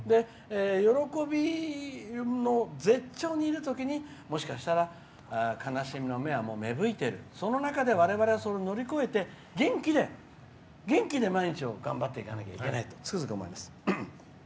喜びの絶頂にいるときにもしかしたら悲しみの芽は芽吹いている、その中でわれわれは乗り越えて元気で毎日を頑張っていかないといけないとつくづく思います。